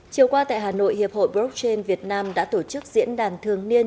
chiều qua tại hà nội hiệp hội blockchain việt nam đã tổ chức diễn đàn thường niên